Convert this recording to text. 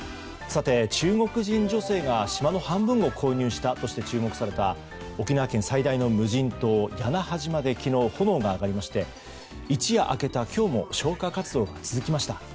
中国人女性が島の半分を購入したとして注目された沖縄県最大の無人島屋那覇島で昨日、炎が上がりまして一夜明けた今日も消火活動が続きました。